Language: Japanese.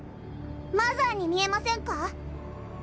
マザーに見えませんか？